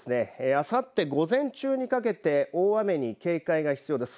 あさって午前中にかけて大雨に警戒が必要です。